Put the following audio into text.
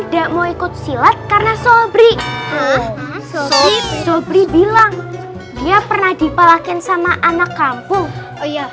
enggak mau ikut silat karena solbri solbri bilang dia pernah dipalahin sama anak kampung oh ya